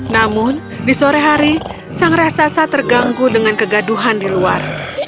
namun di sore hari sang raksasa terganggu dengan kegaduhan di luar